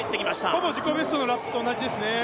ほぼ自己ベストのラップと同じですね。